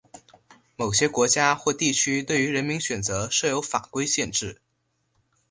某些国家或地区对于人名选择设有法规限制。